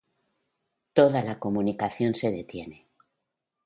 Toda la comunicación se detiene.